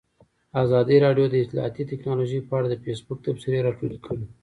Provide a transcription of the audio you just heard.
ازادي راډیو د اطلاعاتی تکنالوژي په اړه د فیسبوک تبصرې راټولې کړي.